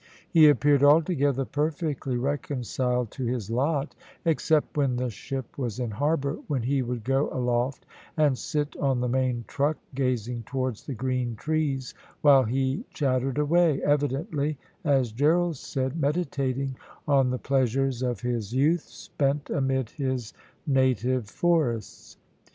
He appeared altogether perfectly reconciled to his lot, except when the ship was in harbour, when he would go aloft and sit on the main truck, gazing towards the green trees, while he chattered away, evidently, as Gerald said, meditating on the pleasures of his youth, spent amid his native forests.